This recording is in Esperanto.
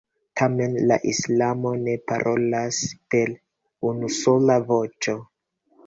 Tamen la islamo ne parolas per unusola voĉo.